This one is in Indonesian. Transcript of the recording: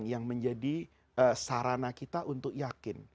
yang menjadi sarana kita untuk yakin